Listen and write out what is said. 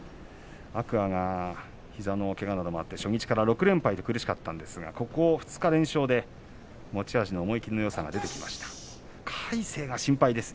天空海が膝のけがもあって初日から６連敗と苦しかったんですがここ２日連勝で持ち味の思い切りのよさが出ています。